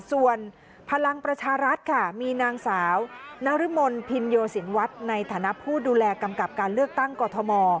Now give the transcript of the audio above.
ส่วนพลังประชารัฐค่ะมีนางสาวนรมนพินโยสินวัฒน์ในฐานะผู้ดูแลกำกับการเลือกตั้งกอทม